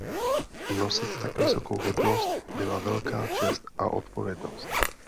Nosit tak vysokou hodnost byla velká čest a odpovědnost.